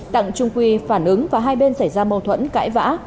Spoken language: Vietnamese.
đặng trung quy phản ứng và hai bên xảy ra mâu thuẫn cãi vã